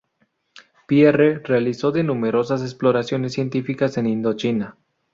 Pierre realizó de numerosas exploraciones científicas en Indochina.